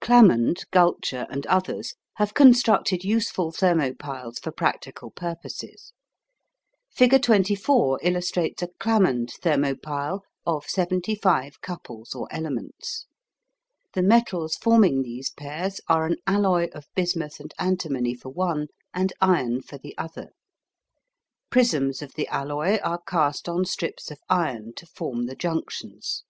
Clammond, Gulcher, and others have constructed useful thermo piles for practical purposes. Figure 24 illustrates a Clammond thermo pile of 75 couples or elements. The metals forming these pairs are an alloy of bismuth and antimony for one and iron for the other. Prisms of the alloy are cast on strips of iron to form the junctions.